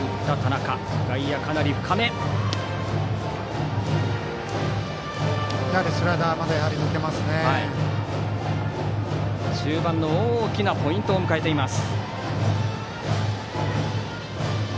中盤の大きなポイントを迎えています。